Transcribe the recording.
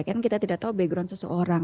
karena kita tidak tahu background seseorang